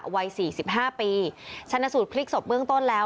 วัย๔๕ปีชนะสูตรพลิกศพเบื้องต้นแล้ว